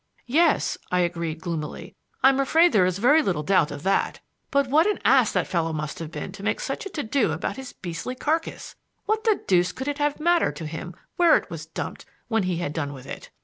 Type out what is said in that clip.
"Yes," I agreed gloomily, "I'm afraid there is very little doubt of that. But what an ass that fellow must have been to make such a to do about his beastly carcass! What the deuce could it have mattered to him where it was dumped, when he had done with it?"